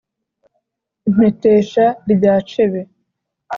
Impetesha rya cebe.